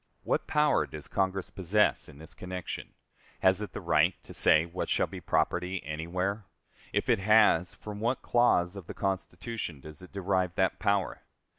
What power does Congress possess in this connection? Has it the right to say what shall be property anywhere? If it has, from what clause of the Constitution does it derive that power?